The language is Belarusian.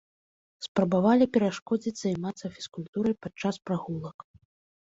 Спрабавалі перашкодзіць займацца фізкультурай падчас прагулак.